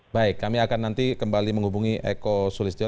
baik kami akan nanti kembali menghubungi eko sulistyo